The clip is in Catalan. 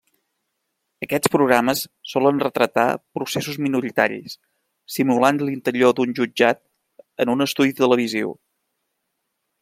Aquests programes solen retratar processos minoritaris, simulant l'interior d'un jutjat en un estudi televisiu.